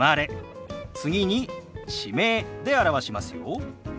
次に地名で表しますよ。